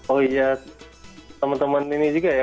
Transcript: oh iya teman teman ini juga ya